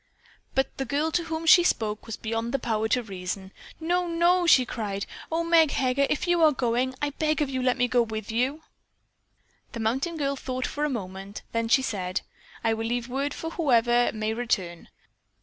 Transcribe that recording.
But the girl to whom she spoke was beyond the power to reason. "No! No!" she cried. "Oh, Meg Heger, if you are going, I beg of you let me go with you." The mountain girl thought for a moment, then she said: "I will leave word for whoever may return."